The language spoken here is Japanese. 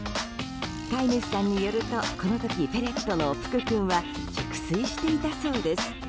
飼い主さんによるとこの時、フェレットのぷく君は熟睡していたそうです。